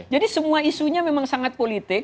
jadi semua isunya memang sangat politik